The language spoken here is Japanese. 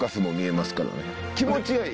気持ちがいい。